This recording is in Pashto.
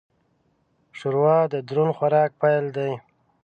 ښوروا د دروند خوراک پیل دی.